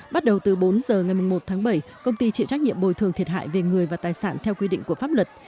bắt đầu từ bốn giờ ngày một tháng bảy công ty chịu trách nhiệm bồi thường thiệt hại về người và tài sản theo quy định của pháp luật